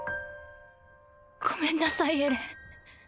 ごめんなさいエレン。